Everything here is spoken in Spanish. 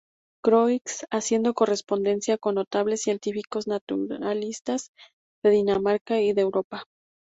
Croix, haciendo correspondencia con notables científicos naturalistas de Dinamarca y de Europa.